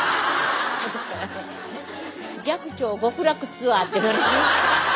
寂聴極楽ツアーっていうのね。